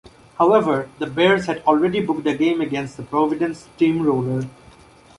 However, the Bears had already booked a game against the Providence Steam Roller.